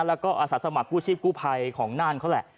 แล้วก็อาสาสมัครกู้ชีพกู้ภัยของน่านเขาแหละ